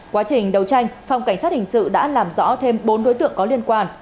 quá trình đấu tranh phòng cảnh sát hình sự đã làm rõ thêm bốn đối tượng có liên quan